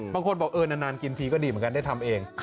บางคนบอกเออนานกินทีก็ดีเหมือนกันได้ทำเอง